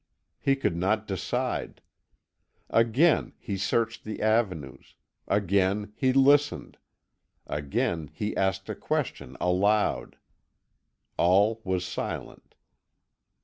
He could not decide. Again he searched the avenues, again he listened, again he asked a question aloud. All was silent.